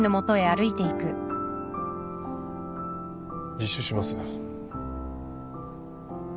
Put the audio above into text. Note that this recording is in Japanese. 自首します。